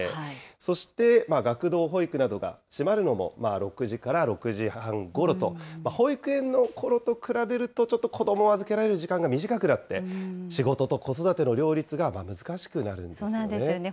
そして学童保育などが閉まるのも６時から６時半ごろと、保育園のころと比べると、ちょっと子どもを預けられる時間が短くなって、仕事と子育ての両立が難しくなるそうなんですよね。